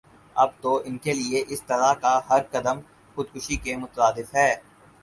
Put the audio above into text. اب تو انکےلئے اسطرح کا ہر قدم خودکشی کے مترادف ہے